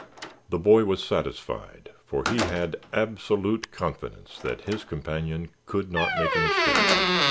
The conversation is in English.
The boy was satisfied for he had absolute confidence that his companion could not make a mistake.